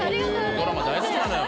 ドラマ大好きなのよ。